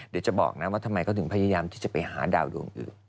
เดี๋ยวจะบอกนะว่าทำไมเขาถึงพยายามที่จะไปหาดาวดวงอื่น